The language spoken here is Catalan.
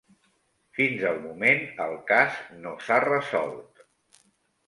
Fins al moment el cas no s'ha resolt.